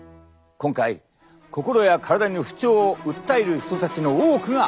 今回心や体に不調を訴える人たちの多くが。